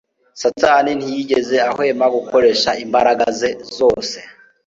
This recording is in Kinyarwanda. Satani ntiyigeze ahwema gukoresha imbaraga ze zose